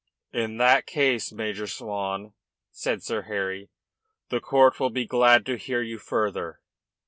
"In that case, Major Swan," said Sir Harry, "the court will be glad to hear you further."